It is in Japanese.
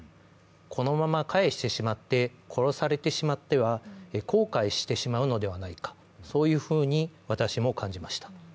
このまま帰してしまって、殺されてしまっては後悔してしまうのではないかというふうに私も感じました。